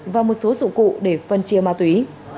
và một số dụng cụ để phân chia ma túy